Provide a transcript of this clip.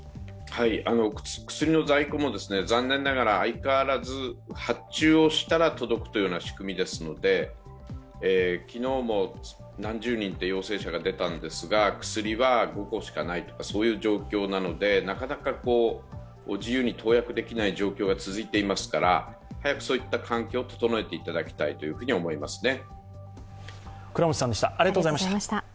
薬の在庫も残念ながら相変わらず発注をしたら届くというような仕組みですので、昨日も何十人という陽性者が出たんですが薬は５個しかないとか、そういう状況なのでなかなか自由に投薬できない状況が続いていますから、早くそういった環境を整えていただきたいと思いますね。